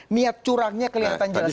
niat curangnya kelihatan jelas